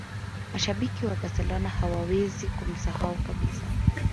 mashabiki wa barcelona hawawezi kumsahau kabisa